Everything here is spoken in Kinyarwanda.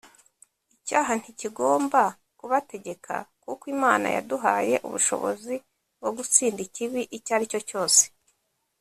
icyaha nti kigomba kubategeka kuko imana yaduhaye ubushobozi bwo gutsinda ikibi icyari cyo cyose